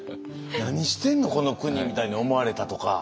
「何してんのこの国」みたいに思われたとか。